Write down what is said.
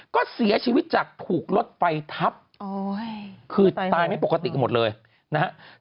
ก็เสียชีวิตจากถูกรถไฟทับคือตายไม่ปกติกันหมดเลยนะฮะ